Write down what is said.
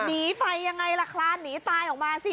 หนีไปยังไงล่ะคลานหนีตายออกมาสิ